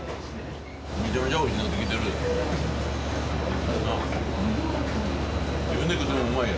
めちゃめちゃおいしなってきてるやん。